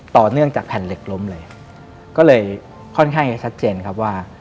ต่อเนื่องจากแผ่นเหล็กล้มเลยก็เลยค่อนข้างจะชัดเจนครับว่า